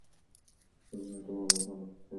স্বপ্নে তো মানুষ অনেক কিছুই দেখে।